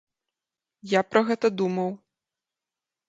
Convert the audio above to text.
Я пра гэта думаў.